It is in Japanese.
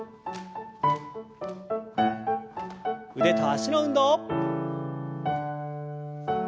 腕と脚の運動。